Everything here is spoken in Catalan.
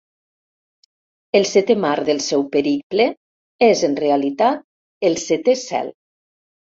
El setè mar del seu periple és, en realitat, el setè cel.